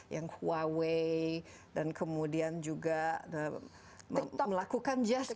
yang huawei dan kemudian juga melakukan justin